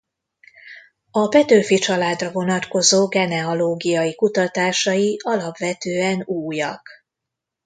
A Petőfi-családra vonatkozó genealógiai kutatásai alapvetően újak.